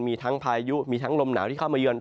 มีทั้งพายุมีทั้งลมหนาวที่เข้ามาเยือน